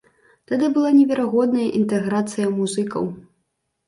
Тады была неверагодная інтэграцыя музыкаў.